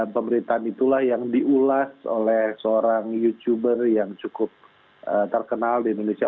pemberitaan itulah yang diulas oleh seorang youtuber yang cukup terkenal di indonesia